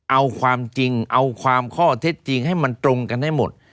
เอาความจริงเอาความข้อเท็จจริงให้มันตรงกันให้หมด